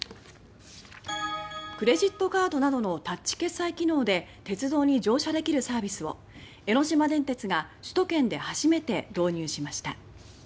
クレジットカードなどのタッチ決済機能で鉄道に乗車できるサービスを江ノ島電鉄が首都圏で初めて導入しました。